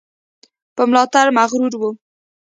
په ملاتړ مغرور وو.